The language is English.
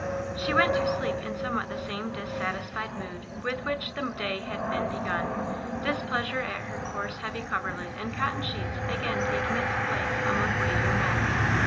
She went to sleep in somewhat the same dissatisfied mood with which the day had been begun displeasure at her coarse heavy coverlid and cotton sheets again taking its place among weightier matters!